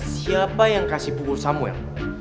siapa yang kasih bubur samuel